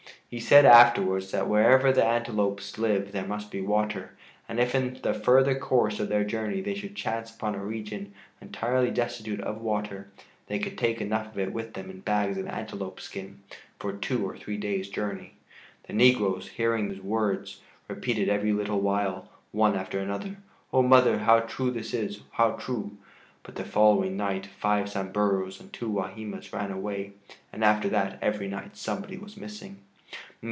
He said afterwards that wherever the antelopes live there must be water, and if in the further course of their journey they should chance upon a region entirely destitute of water, they could take enough of it with them in bags of antelope skin for two or three days' journey. The negroes, hearing his words, repeated every little while, one after another: "Oh, mother, how true that is, how true!" but the following night five Samburus and two Wahimas ran away, and after that every night somebody was missing.